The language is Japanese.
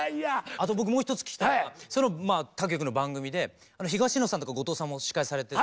あと僕もう一つ聞きたいのが他局の番組で東野さんとか後藤さんも司会される。